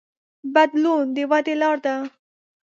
بدلون د ودې لار ده.